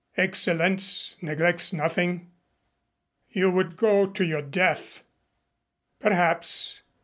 "Excellenz neglects nothing." "You would go to your death." "Perhaps.